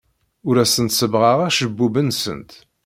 Ur asent-sebbɣeɣ acebbub-nsent.